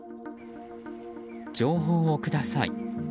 「情報をください」。